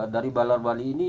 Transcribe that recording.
dari balar bali ini